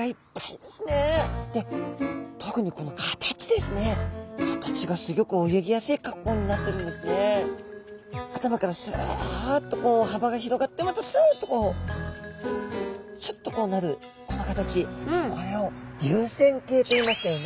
で特にこの頭からスッと幅が広がってまたスッとちょっとこうなるこの形これを流線形と言いましたよね。